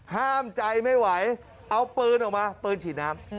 ห้ามใจไม่ไหวเอาปืนออกมาปืนฉีดน้ำ